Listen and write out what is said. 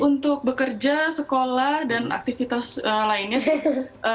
untuk bekerja sekolah dan aktivitas lainnya gitu